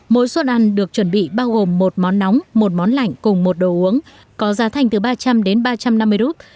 mỗi suất ăn được chuẩn bị bao gồm một món nóng một món lạnh cùng một đồ uống có giá thành từ ba trăm linh đến ba trăm năm mươi rút